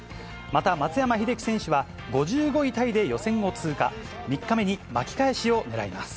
また松山英樹選手は、５５位タイで予選を通過。